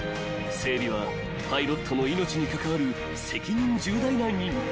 整備はパイロットの命に関わる責任重大な任務］